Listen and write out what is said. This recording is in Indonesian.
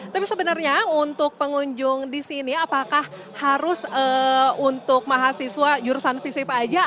tapi sebenarnya untuk pengunjung di sini apakah harus untuk mahasiswa jurusan visip aja